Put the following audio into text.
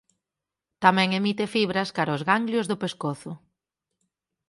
Tamén emite fibras cara os ganglios do pescozo.